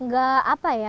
gak apa ya